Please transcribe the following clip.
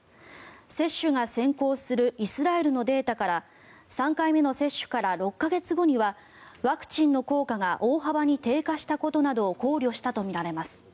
接種が先行するイスラエルのデータから３回目の接種から６か月後にはワクチンの効果が大幅に低下したことなどを考慮したとみられます。